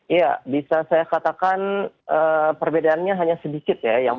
iya bisa saya katakan perbedaannya hanya sedikit ya